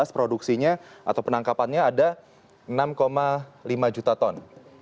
produksinya atau penangkapannya ada enam lima juta ton